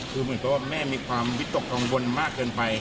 คือเหมือนแม่มีความวิตกกลงวนมากเกินไป